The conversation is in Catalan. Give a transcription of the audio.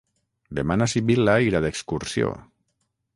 Demà na Sibil·la irà d'excursió.